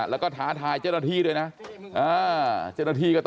แล้วก็ท้าทายเจรติด้วยนะ